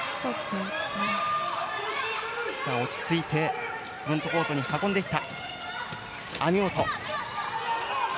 落ち着いてフロントコートに運んでいった。